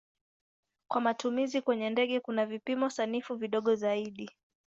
Kwa matumizi kwenye ndege kuna vipimo sanifu vidogo zaidi.